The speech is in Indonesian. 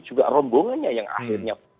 juga rombongannya yang akhirnya